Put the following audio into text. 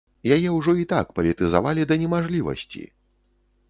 Яе ўжо і так палітызавалі да немажлівасці!